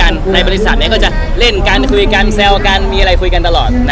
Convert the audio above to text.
ในบริษัทก็จะเล่นกันคุยกันแซวกันมีอะไรคุยกันตลอด